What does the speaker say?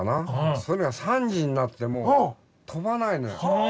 それが３時になっても飛ばないのよ。